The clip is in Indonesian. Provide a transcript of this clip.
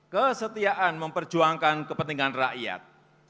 kesetiaan memperjuangkan kepentingan rakyat